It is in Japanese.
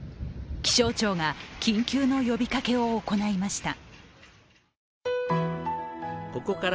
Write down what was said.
気象庁が緊急の呼びかけを行いました。